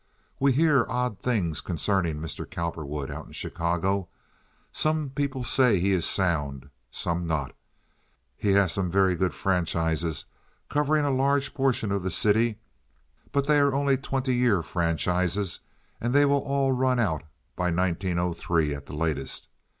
"We hear odd things concerning Mr. Cowperwood out in Chicago. Some people say he is sound—some not. He has some very good franchises covering a large portion of the city, but they are only twenty year franchises, and they will all run out by 1903 at the latest.